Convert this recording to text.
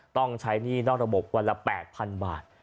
ต้องใช้หนี้นอกระบบวันละ๘๐๐๐บาท